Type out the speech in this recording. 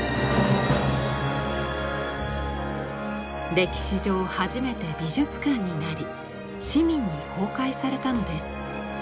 歴史上初めて美術館になり市民に公開されたのです。